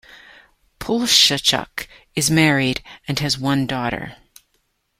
Poleshchuk is married and has one daughter.